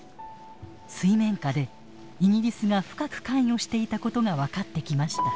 水面下でイギリスが深く関与していたことが分かってきました。